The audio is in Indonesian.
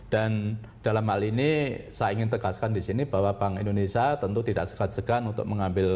dan dalam hal ini saya ingin tegaskan di sini bahwa bank indonesia tentu tidak segan segan untuk mengambil